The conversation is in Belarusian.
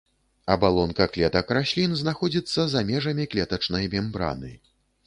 Абалонка клетак раслін знаходзіцца за межамі клетачнай мембраны.